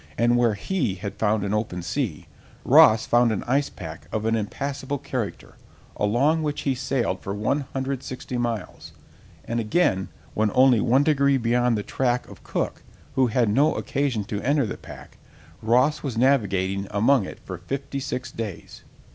and where he had found an open sea, Ross found an ice pack of an impassable character, along which he sailed for 160 miles; and again, when only one degree beyond the track of Cook, who had no occasion to enter the pack, Ross was navigating among it for fifty six days.